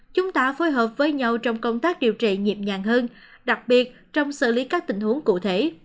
chúng ta phối hợp với nhau trong công tác điều trị nhịp nhàng hơn đặc biệt trong xử lý các tình huống cụ thể